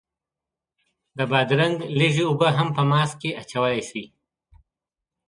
د بادرنګ لږې اوبه هم په ماسک کې اچولی شئ.